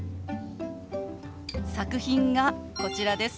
作品がこちらです。